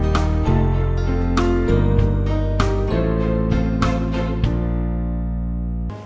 kita semua mengiyoleskan aranya